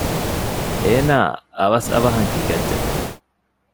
އޭނާ އަވަސް އަވަހަށް ހިނގައްޖެ